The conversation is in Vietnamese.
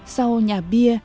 sau nhà bia